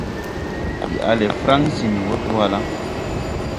Ndi a le Fransi. Ndi wo Dugla.